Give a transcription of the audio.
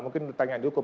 mungkin ditanya di hukum